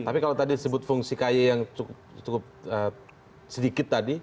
tapi kalau tadi sebut fungsi k y yang cukup sedikit tadi